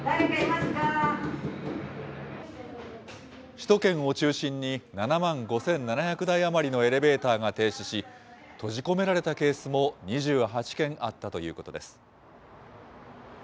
首都圏を中心に、７万５７００台余りのエレベーターが停止し、閉じ込められたケースも２８件あったということです。